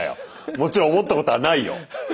もちろん思ったことはないよ。